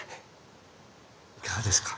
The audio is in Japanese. いかがですか？